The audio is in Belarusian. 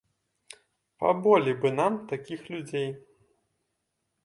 Паболей бы нам такіх людзей.